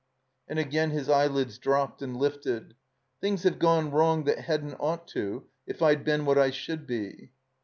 And again his eyelids dropped and lifted. "Things have gone wrong that hadn't ought to if Fd been what I should be."